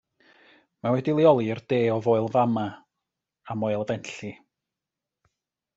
Mae wedi'i leoli i'r de o Foel Famau a Moel Fenlli.